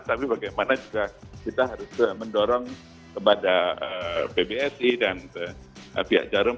tapi bagaimana juga kita harus mendorong kepada pbsi dan pihak jarum